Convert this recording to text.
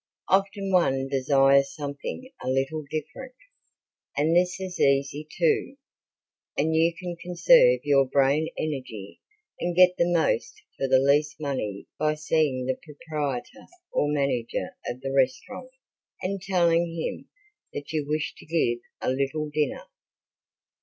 Often one desires something a little different, and this is easy, too, and you can conserve your brain energy and get the most for the least money by seeing the proprietor or manager of the restaurant and telling him that you wish to give a little dinner.